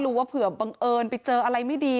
ว่าเผื่อบังเอิญไปเจออะไรไม่ดี